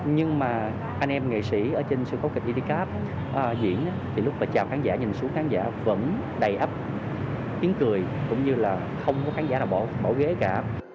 nhưng mà anh em nghệ sĩ ở trên sân khấu kịch cà tây cáp diễn lúc mà chào khán giả nhìn xuống khán giả vẫn đầy ấp tiếng cười cũng như là không có khán giả nào bỏ ghế cả